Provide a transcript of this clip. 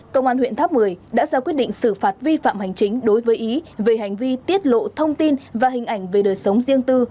công an huyện tháp một mươi đã ra quyết định xử phạt vi phạm hành chính đối với ý về hành vi tiết lộ thông tin và hình ảnh về đời sống riêng tư